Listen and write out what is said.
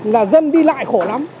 là dân đi lại khổ lắm